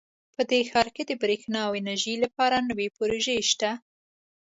په دې ښار کې د بریښنا او انرژۍ لپاره نوي پروژې شته